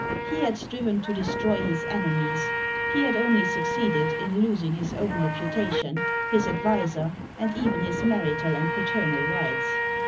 He had striven to destroy his enemies ; he had only succeeded in losing his own reputation, his adviser, and even his marital and paternal rights.